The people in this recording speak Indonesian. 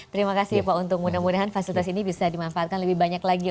terima kasih pak untuk mudah mudahan fasilitas ini bisa dimanfaatkan lebih banyak lagi